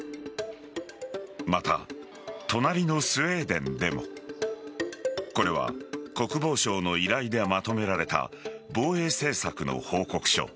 また、隣のスウェーデンでも。これは国防省の依頼でまとめられた防衛政策の報告書。